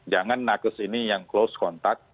jangan nakes ini yang close contact